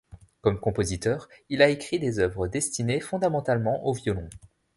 Comme compositeur, il a écrit des œuvres destinées fondamentalement au violon.